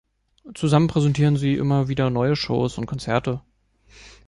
Zusammen präsentieren sie immer wieder neue Shows und Konzerte.